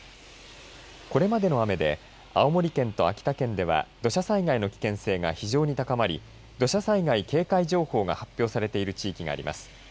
これまでの雨で青森県と秋田県では土砂災害の危険性が非常に高まり土砂災害警戒情報が発表されている地域があります。